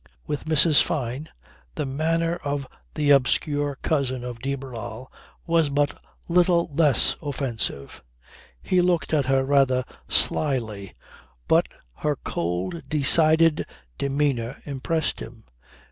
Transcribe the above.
With Mrs. Fyne the manner of the obscure cousin of de Barral was but little less offensive. He looked at her rather slyly but her cold, decided demeanour impressed him.